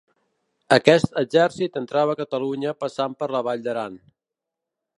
Aquest exèrcit entrava a Catalunya passant per la Vall d'Aran.